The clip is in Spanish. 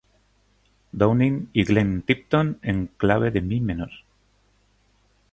Downing y Glenn Tipton en clave de "mi" menor.